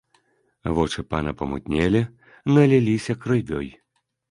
Вочы пана памутнелі, наліліся крывёй.